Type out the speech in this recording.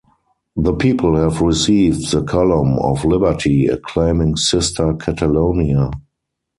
The people have received the column of liberty acclaiming Sister Catalonia.